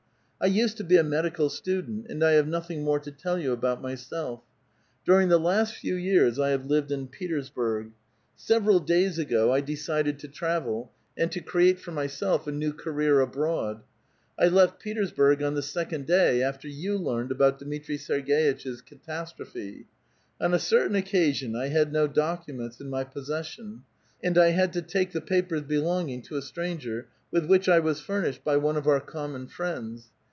I used to be a medical student, and I have nothing more to tell you about myself; During: the last few years 1 have lived in Petersburo:. 8ev eral days ago I decided to travel, and to create for myself a new career abroad. I left Petersburg on the second day after you learned about Dmitri 8erg6itch's catastrophe. On a ceiliain occasion I had no documents in my possession, and I liad to take the papers belonging to a stranger, with which I was furnished by one of our common friends.